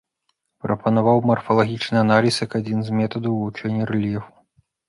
Прапанаваў марфалагічны аналіз як адзін з метадаў вывучэння рэльефу.